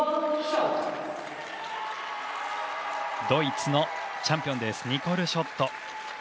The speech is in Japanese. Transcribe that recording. ドイツのチャンピオンニコル・ショット。